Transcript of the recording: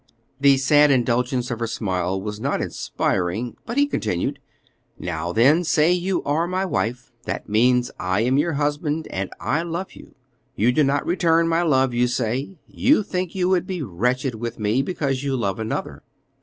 The sad indulgence of her smile was not inspiriting, but he continued, "Now, then, say you are my wife; that means I am your husband, and I love you. You do not return my love, you say; you think you would be wretched with me because you love another.